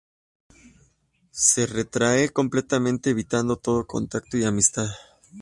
Se retrae completamente, evitando todo contacto y amistad.